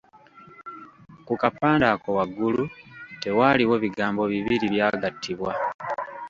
Ku kapande ako waggulu tewaaliwo bigambo bibiri byagattibwa.